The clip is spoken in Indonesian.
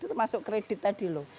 itu masuk kredit tadi loh